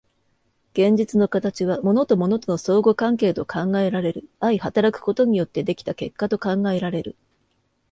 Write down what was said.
現実の形は物と物との相互関係と考えられる、相働くことによって出来た結果と考えられる。